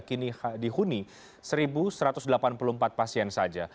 kini dihuni satu satu ratus delapan puluh empat pasien saja